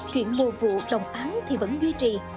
chuyện mùa vụ đồng án thì vẫn duy trì